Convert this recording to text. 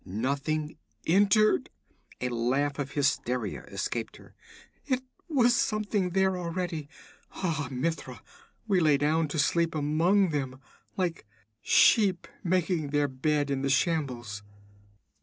'Nothing entered,' a laugh of hysteria escaped her. 'It was something there already. Ah, Mitra, we lay down to sleep among them, like sheep making their bed in the shambles!'